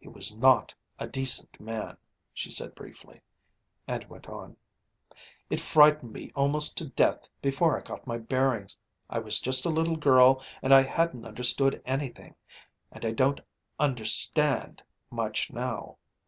"He was not a decent man," she said briefly, and went on: "It frightened me almost to death before I got my bearings: I was just a little girl and I hadn't understood anything and I don't understand much now.